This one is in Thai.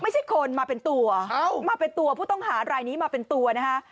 ไม่ใช่คนมาเป็นตัวมาเป็นตัวผู้ต้องหารายนี้มาเป็นตัวนะฮะ